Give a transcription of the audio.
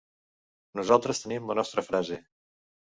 Nosaltres tenim la nostra frase.